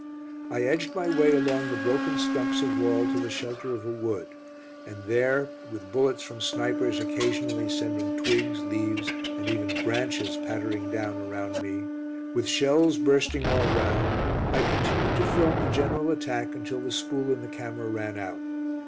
I edged my way along the broken stumps of wall to the shelter of a wood, and there, with bullets from snipers occasionally sending twigs, leaves, and even branches pattering down around me, with shells bursting all round, I continued to film the general attack until the spool in the camera ran out.